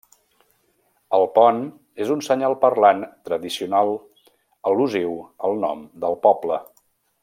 El pont és un senyal parlant tradicional al·lusiu al nom del poble.